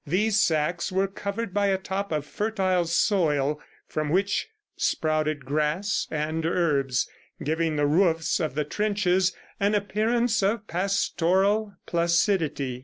These sacks were covered by a top of fertile soil from which sprouted grass and herbs, giving the roofs of the trenches, an appearance of pastoral placidity.